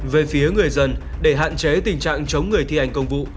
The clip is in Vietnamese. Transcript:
về phía người dân để hạn chế tình trạng chống người thi hành công vụ